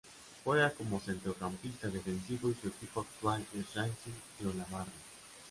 Juega como centrocampista defensivo y su equipo actual es Racing de Olavarría.